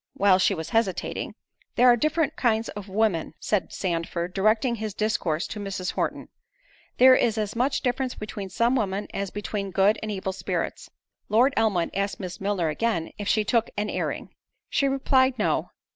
While she was hesitating— "There are different kinds of women," (said Sandford, directing his discourse to Mrs. Horton;) "there is as much difference between some women, as between good and evil spirits." Lord Elmwood asked Miss Milner again—If she took an airing? She replied, "No."